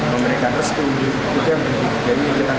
pemerintahan harus pun juga berpikir